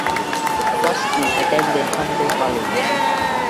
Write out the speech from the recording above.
Kroski attended Hunter College.